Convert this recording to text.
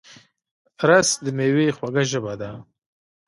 رس د مېوې خوږه ژبه ده